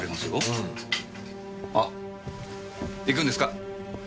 うん。あっ行くんですか？